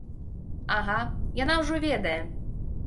Ага, яна ўжо ведае!